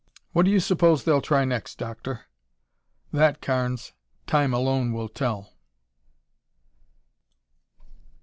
"What do you suppose they'll try next, Doctor?" "That, Carnes, time alone will tell."